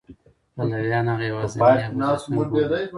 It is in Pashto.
پلویان هغه یوازینی اپوزېسیون بولي.